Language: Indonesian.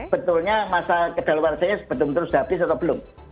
betulnya masa kedaluarsanya betul betul sudah habis atau belum